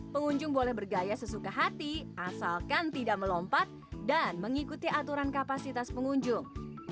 pengunjung boleh bergaya sesuka hati asalkan tidak melompat dan mengikuti aturan kapasitas pengunjung